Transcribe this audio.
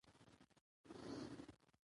خو توپير يې دا دى، چې کلي تصور نه دى